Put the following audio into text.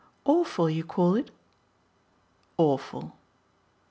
"Awful, you call it?" "Awful."